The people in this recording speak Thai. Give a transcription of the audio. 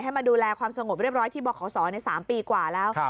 มาดูแลความสงบเรียบร้อยที่บขศใน๓ปีกว่าแล้ว